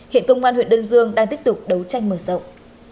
hiện công an huyện đơn dương đang tiếp tục đấu tranh mở rộng